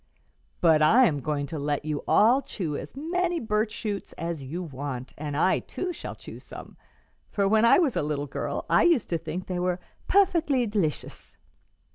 But I am going to let you all chew as many birch shoots as you want, and I too shall chew some; for when I was a little girl, I used to think they were 'puffickly d'licious.'"